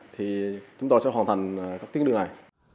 thì chúng tôi sẽ hoàn thành các tuyến đường này